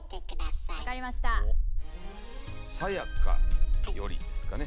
「さやかより」ですかね。